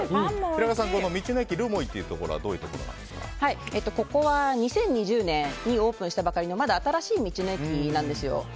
平賀さん道の駅るもいというところはここは２０２０年にオープンしたばかりのまだ新しい道の駅なんですよ。